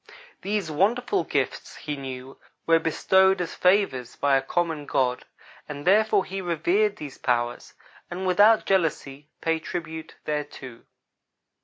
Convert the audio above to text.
These wonderful gifts, he knew, were bestowed as favors by a common God, and therefore he revered these powers, and, without jealousy, paid tribute thereto.